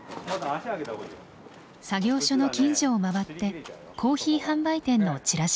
作業所の近所をまわってコーヒー販売店のチラシを配ります。